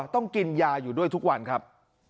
ต้องกินยาอยู่ด้วยทุกวันครับ